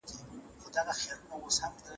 ټولني به تر اوږدې مودې پورې پرمختګ کړی وي.